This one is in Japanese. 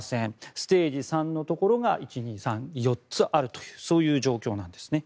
ステージ３のところが４つあるというそういう状況なんですね。